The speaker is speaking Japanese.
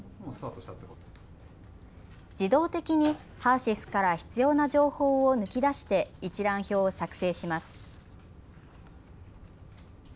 自動的にＨＥＲーＳＹＳから必要な情報を抜き出して一覧表を作成します。